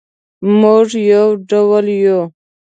مونږ یو ډول یو